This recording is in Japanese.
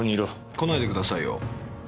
来ないでくださいよ。